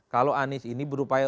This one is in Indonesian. kalau anies ini berupaya